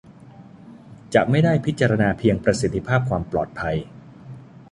จะไม่ได้พิจารณาเพียงประสิทธิภาพ ความปลอดภัย